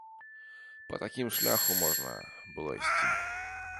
Па такім шляху можна было ісці.